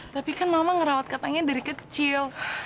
tapi kan mama ngerawat katanya dari kecil